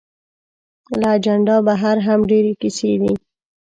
له اجنډا بهر هم ډېرې کیسې دي.